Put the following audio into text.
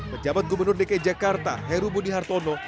pejabat gubernur dki jakarta heru budi hartono